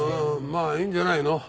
まあいいんじゃないの。